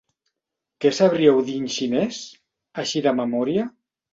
¿Què sabríeu dir en xinès, així de memòria?